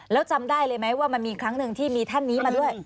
แล้วจำได้เลยไหมว่ามันมีครั้งหนึ่งที่มีท่านนี้มาด้วย